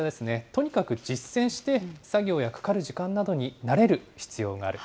とにかく実践して、作業やかかる時間などに慣れる必要がある。